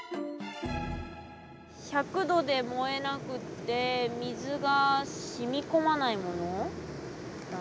１００度で燃えなくって水が染み込まないものだね。